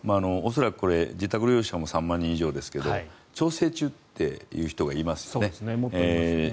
恐らくこれ自宅療養者も３万人以上ですが調整中という人がいますよね。